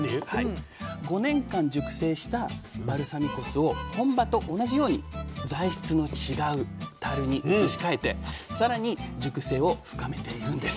５年間熟成したバルサミコ酢を本場と同じように材質の違う樽に移し替えて更に熟成を深めているんです。